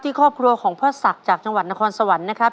ครอบครัวของพ่อศักดิ์จากจังหวัดนครสวรรค์นะครับ